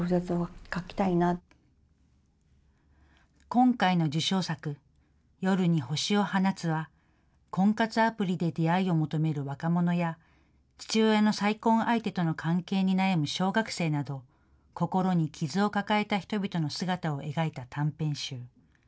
今回の受賞作、夜に星を放つは、婚活アプリで出会いを求める若者や、父親の再婚相手との関係に悩む小学生など、心に傷を抱えた人々の姿を描いた短編集。